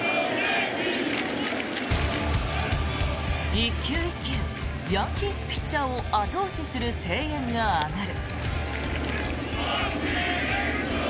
１球１球ヤンキースピッチャーを後押しする声援が上がる。